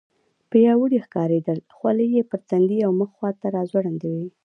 پیاوړي ښکارېدل، خولۍ یې پر تندي او مخ خواته راځوړندې وې.